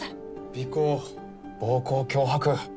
尾行暴行脅迫。